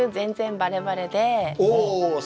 バレバレです。